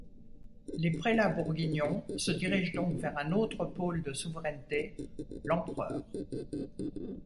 Les prélats bourguignons se dirigent donc vers un autre pôle de souveraineté, l'empereur.